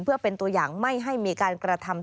เพื่อเป็นตัวอย่างไม่ให้มีการกระทำ